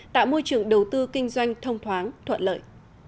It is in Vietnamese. tạo môi trường đầu tư kinh doanh thông thoáng thuận lợi